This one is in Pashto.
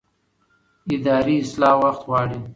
اداري اصلاح وخت غواړي